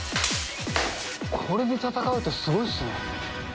これで戦うってすごいっすね。